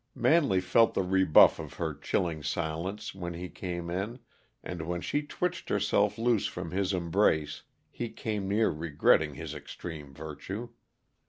Manley felt the rebuff of her chilling silence when he came in, and when she twitched herself loose from his embrace he came near regretting his extreme virtue.